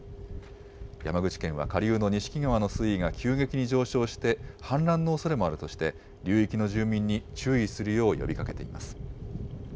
山口県は下流の錦川の水位が急激に上昇して、氾濫のおそれもあるとして、流域の住民に注意するよう呼びかけています。